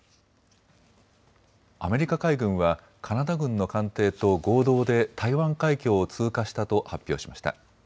アメリカ海軍はカナダ軍の艦艇と合同で台湾海峡を通過したと発表しました。